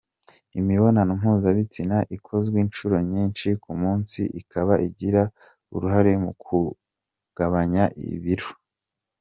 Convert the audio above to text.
Imibonano mpuzabitsina ikozwe inshuro nyinshi ku munsi ikaba igira uruhare mu kugabanya ibiro.